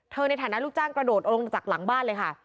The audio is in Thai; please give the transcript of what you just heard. ในฐานะลูกจ้างกระโดดลงจากหลังบ้านเลยค่ะ